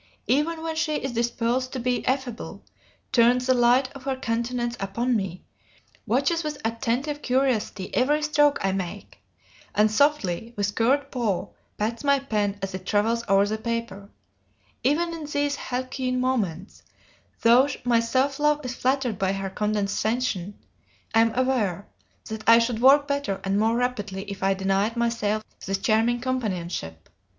Even when she is disposed to be affable, turns the light of her countenance upon me, watches with attentive curiosity every stroke I make, and softly, with curved paw, pats my pen as it travels over the paper, even in these halcyon moments, though my self love is flattered by her condescension, I am aware that I should work better and more rapidly if I denied myself this charming companionship.